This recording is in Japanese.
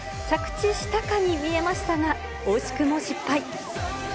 着地したかに見えましたが、惜しくも失敗。